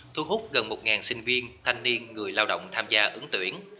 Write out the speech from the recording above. thu hút gần một sinh viên thanh niên người lao động tham gia ứng tuyển